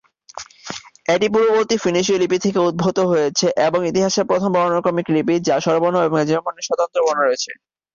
এটি পূর্ববর্তী ফিনিশীয় লিপি থেকে উদ্ভূত হয়েছে, এবং ইতিহাসের প্রথম বর্ণানুক্রমিক লিপি যা স্বরবর্ণ এবং ব্যঞ্জনবর্ণের স্বতন্ত্র বর্ণ রয়েছে।